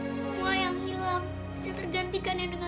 semua yang hilang bisa tergantikan dengan yang lebih enak